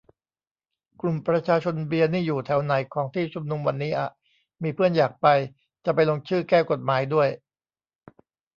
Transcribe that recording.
กลุ่ม ประชาชนเบียร์ นี่อยู่แถวไหนของที่ชุมนุมวันนี้อะ มีเพื่อนอยากไป จะไปลงชื่อแก้กฎหมายด้วย